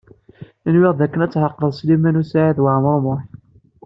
Nwiɣ dakken ad tɛeqleḍ Sliman U Saɛid Waɛmaṛ U Muḥ.